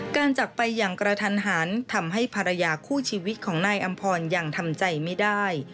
จากไปอย่างกระทันหันทำให้ภรรยาคู่ชีวิตของนายอำพรยังทำใจไม่ได้